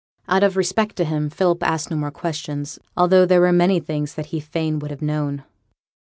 Out of respect to him, Philip asked no more questions although there were many things that he fain would have known.